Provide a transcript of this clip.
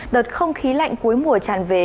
đợt không khí lạnh cuối mùa tràn về